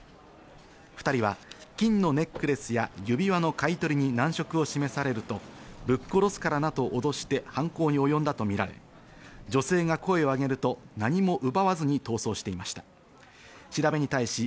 ２人は金のネックレスや指輪の買い取りに難色を示されると、ぶっ殺すからなどと、おどして犯行に及んだとみられ、女性が声をあげると何も奪わずに逃走していました。